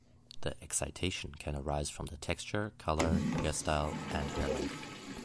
The excitation can arise from the texture, color, hairstyle and hair length.